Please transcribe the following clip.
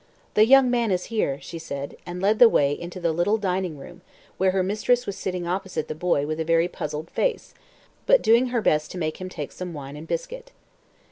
"The young man is here," she said, and led the way into the little dining room, where her mistress was sitting opposite the boy with a very puzzled face, but doing her best to make him take some wine and biscuit.